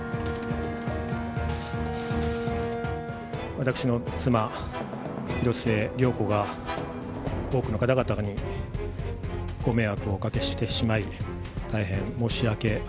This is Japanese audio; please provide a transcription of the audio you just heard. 私の妻、広末涼子が多くの方々にご迷惑をおかけしてしまい、大変申し訳あ